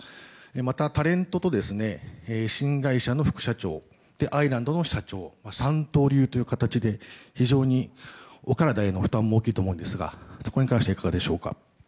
また、タレントと新会社の副社長そして、アイランドの社長と三刀流という形で非常にお体への負担も大きいと思いますがそこら辺に関してはいかがでしょうか？